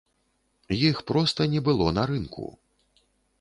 Іх проста не было на рынку!